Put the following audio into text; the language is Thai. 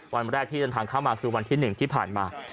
วันแรกที่เดินทางเข้ามาคือวันที่๑ที่ผ่านมา